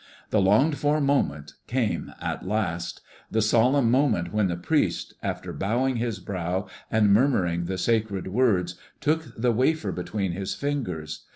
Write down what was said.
The longed for moment came at last, the solemn moment when the priest, after bowing his brow and murmuring the sacred words, took the wafer between his fingers.